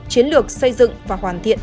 chiến lược xây dựng và hoàn thiện